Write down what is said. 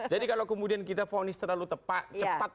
jadi kalau kemudian kita fonis terlalu cepat